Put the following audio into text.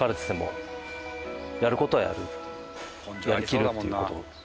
やりきるっていう事。